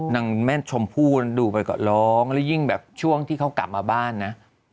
แม่ชมพู่ดูไปก็ร้องแล้วยิ่งแบบช่วงที่เขากลับมาบ้านนะ